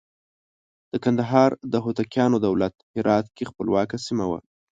د کندهار د هوتکیانو دولت هرات کې خپلواکه سیمه وه.